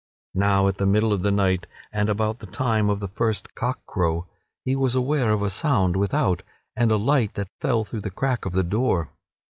Now at the middle of the night, and about the time of the first cock crow, he was aware of a sound without and a light that fell through the crack of the door.